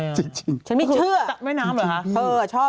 ไม่เชื่อคือต้องไปร่อนที่แม่น้ำหรือคะเธอชอบ